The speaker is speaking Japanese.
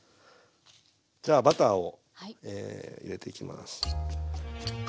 じゃあバターを入れていきます。